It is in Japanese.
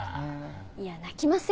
いや泣きませんよ。